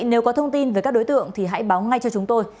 nếu có thông tin về các đối tượng thì hãy báo ngay cho chúng tôi